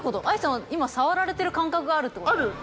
愛さんは今触られてる感覚があるってこと？